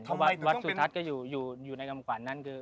เพราะวัดสุทัศน์ก็อยู่ในกำขวัญนั้นคือ